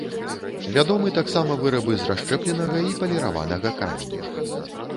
Вядомы таксама вырабы з расшчэпленага і паліраванага каменю.